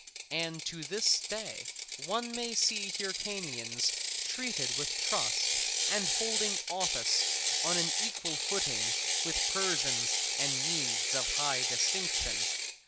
And to this day one may see Hyrcanians treated with trust and holding office on an equal footing with Persians and Medes of high distinction.